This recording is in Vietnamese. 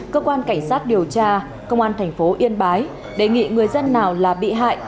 cơ quan cảnh sát điều tra công an thành phố yên bái đề nghị người dân nào là bị hại